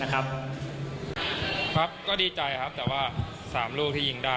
ครับครับก็ดีใจครับแต่ว่า๓ลูกที่ยิงได้